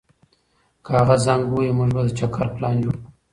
که هغه زنګ ووهي، موږ به د چکر پلان جوړ کړو.